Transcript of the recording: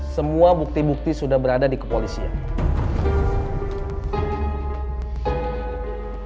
semua bukti bukti sudah berada di kepolisian